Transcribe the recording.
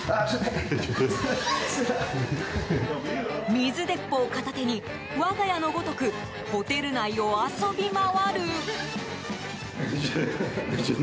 水鉄砲片手に、我が家のごとくホテル内を遊び回る。